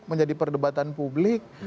menjadi perdebatan publik